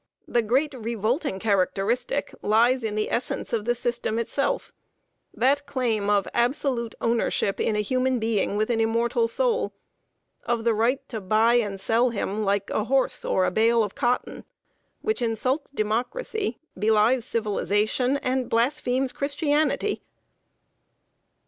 The great revolting characteristic lies in the essence of the system itself that claim of absolute ownership in a human being with an immortal soul of the right to buy and sell him like a horse or a bale of cotton which insults Democracy, belies Civilization, and blasphemes Christianity.